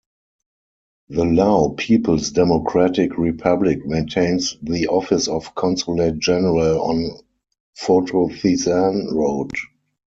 The Lao People's Democratic Republic maintains the office of Consulate-General on Phothisan Road.